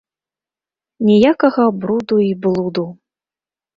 Ніякага бруду й блуду.